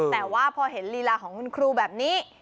แต่ว่าพอเห็นลีลาของคุณครูแบบนี้